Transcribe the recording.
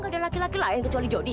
ada laki laki lain kecuali jodi